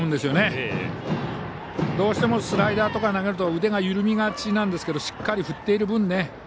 どうしてもスライダーとか投げると腕が緩みがちなんですがしっかり振っている分